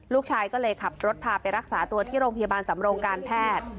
ลูกชายก็เลยขับรถพาไปรักษาตัวที่โรงพยาบาลสำโรงการแพทย์